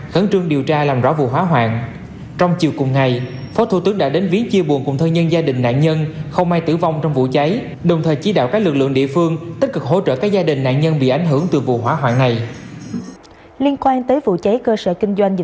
thật ra thì ban đầu thì chúng tôi cũng có chút lo lắng